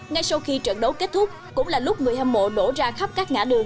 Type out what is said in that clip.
ngay sau khi trận đấu kết thúc cũng là lúc người hâm mộ đổ ra khắp các ngã đường